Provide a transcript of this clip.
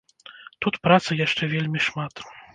Тут працы яшчэ вельмі шмат.